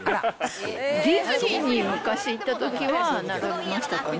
ディズニーに昔行ったときは並びましたかね。